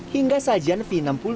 hingga sajian v enam puluh